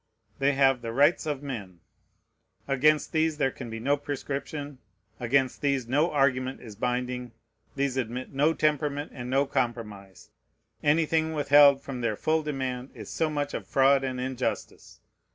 They have "the rights of men." Against these there can be no prescription; against these no argument is binding: these admit no temperament and no compromise: anything withheld from their full demand is so much of fraud and injustice.